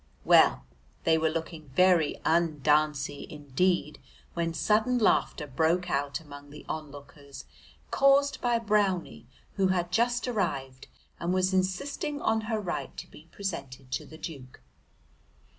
Well, they were looking very undancey indeed, when sudden laughter broke out among the onlookers, caused by Brownie, who had just arrived and was insisting on her right to be presented to the Duke.